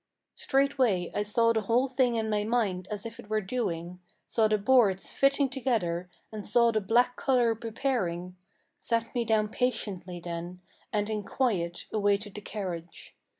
Straightway I saw the whole thing in my mind as if it were doing; Saw the boards fitting together, and saw the black color preparing, Sat me down patiently then, and in quiet awaited the carriage.